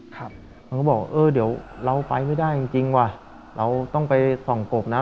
เขาก็บอกเออเดี๋ยวเราไปไม่ได้จริงว่ะเราต้องไปส่องกบนะ